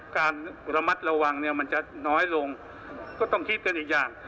การระมัดระวังเนี่ยมันจะน้อยลงก็ต้องคิดกันอีกอย่าง